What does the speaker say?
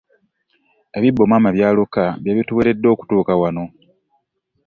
Ebibbo Maama by'aluka bye bituweeredde okutuuka wano.